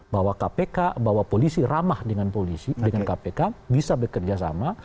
bahwa kpk bahwa polisi ramah dengan polisi dengan kpk bisa bekerja sama